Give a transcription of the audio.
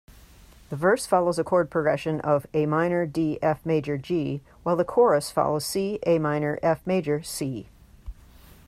The verse follows a chord progression of Am-D-Fmaj-G while the chorus follows C-Am-Fmaj-C.